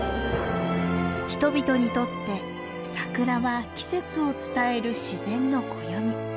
人々にとってサクラは季節を伝える自然の暦。